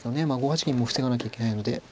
５八銀も防がなきゃいけないので。